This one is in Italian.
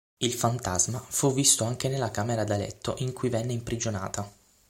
Il fantasma fu visto anche nella camera da letto in cui venne imprigionata.